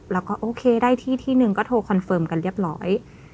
แล้วก็โอเคได้ที่ที่หนึ่งก็โทรคอนเฟิร์มกันเรียบร้อย